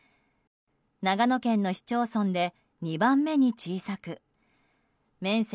長野県の市町村で２番目に小さく面積